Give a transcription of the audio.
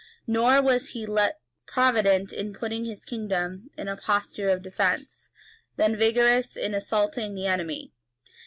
Nor was he less provident in putting his kingdom in a posture of defence, than vigorous in assaulting the enemy.